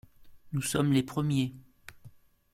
Nous sommes les premiers.